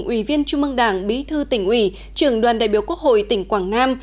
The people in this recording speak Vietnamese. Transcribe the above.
ủy viên trung mương đảng bí thư tỉnh ủy trưởng đoàn đại biểu quốc hội tỉnh quảng nam